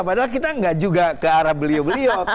padahal kita juga tidak ke arah beliau beliau